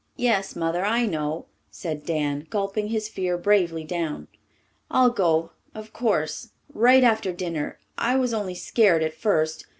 "Yes, Mother, I know," said Dan, gulping his fear bravely down. "I'll go, of course, right after dinner. I was only scared at first.